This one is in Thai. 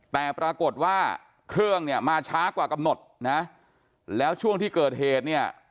แต่ปรากฏว่าเครื่องมาช้ากว่ากำหนดแล้วช่วงที่เกิดเหตุ